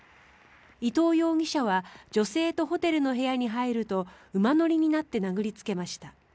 伊藤容疑者は女性とホテルの部屋に入ると馬乗りになって殴りつけました。